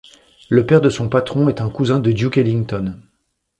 Le père de son patron est un cousin de Duke Ellington.